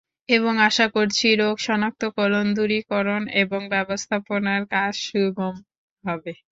এবং আশা করছি রোগ শনাক্তকরণ, দূরীকরণ এবং ব্যবস্থাপনার কাজ সুগম হবে।